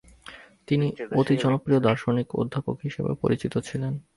তিনি অতি জনপ্রিয় দার্শনিক অধ্যাপক হিসাবেও পরিচিত ছিলেন।